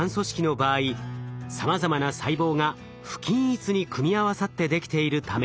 場合さまざまな細胞が不均一に組み合わさってできているため。